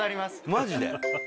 マジで？